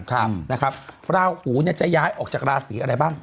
ครับนะครับราหูเนี่ยจะย้ายออกจากราศีอะไรบ้าง